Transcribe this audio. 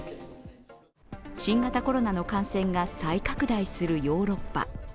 新型コロナの感染が再拡大するヨーロッパ。